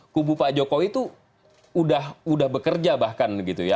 kubu pak jokowi itu udah bekerja bahkan gitu ya